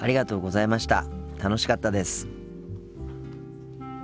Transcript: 楽しかったです。